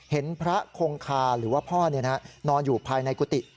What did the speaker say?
เห็นพระคงคาหรือว่าพ่อนอนอยู่ภายในกุฏิ